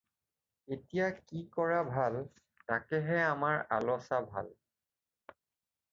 এতিয়া কি কৰা ভাল তাকেহে আমাৰ আলচা ভাল।